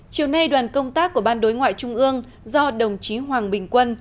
chiều nay đoàn công tác của ban đối ngoại trung ương do đồng chí hoàng bình quân